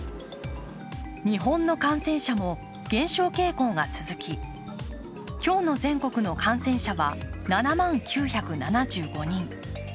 日本の感染者も減少傾向が続き、今日の全国の感染者は７万９７５人。